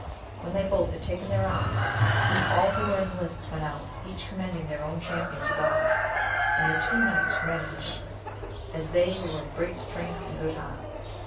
When they both had taken their arms, all who were in the lists went out, each commending their own champion to God ; and the two knights ran at each other, as they who were of great strength and good heart.